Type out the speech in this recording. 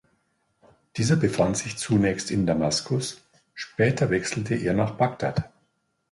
Dieser befand sich zunächst in Damaskus, später wechselte er nach Bagdad.